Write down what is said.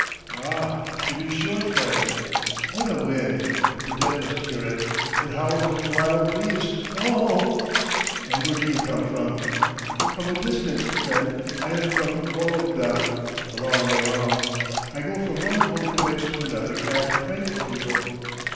"Ah, to be sure, friend. What a wind! The dead must hear it! It howls like a wild beast! O o oh." "And where do you come from?" "From a distance, friend. I am from Vologda, a long way off. I go from one holy place to another and pray for people.